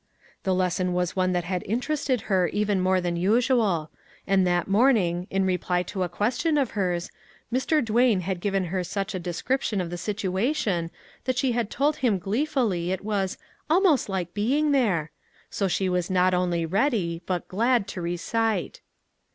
The lesson was one that had interested her even more than usual, and that morning, in reply to a question of hers, Mr. Duane had given her such a description of the situation that she had told him gleefully it was " almost like being there;" so she was not only ready, but glad, to recite.